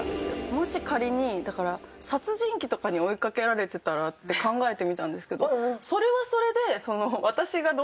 もし仮にだから殺人鬼とかに追いかけられてたらって考えてみたんですけどそれはそれで。